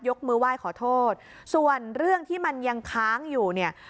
มือไหว้ขอโทษส่วนเรื่องที่มันยังค้างอยู่เนี่ย